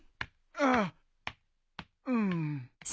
ああうん。